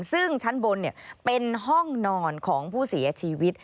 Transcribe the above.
ซึ่งชั้นบนเป็นห้องนอนของผู้เสียชีวิต